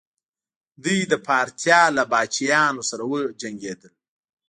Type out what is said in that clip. دوی د پارتیا له پاچاهانو سره وجنګیدل